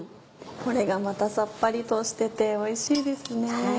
これがまたさっぱりとしてておいしいですね。